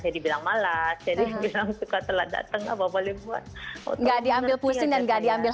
jadi bilang malas jadi bilang suka telat datang apa boleh buat nggak diambil pusing dan gak diambil